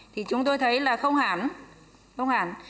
thì chúng tôi thấy là không hẳn không hẳn